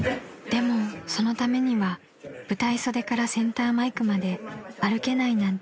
でもそのためには舞台袖からセンターマイクまで歩けないなんてぶざまな姿は見せられません］